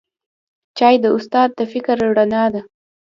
چای د استاد د فکر رڼا ده